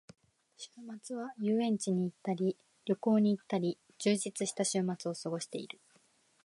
週末は遊園地に行ったり旅行に行ったり、充実した週末を過ごしている。